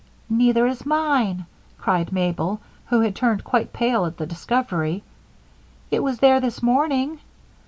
"Neither is mine," cried Mabel, who had turned quite pale at the discovery. "It was there this morning.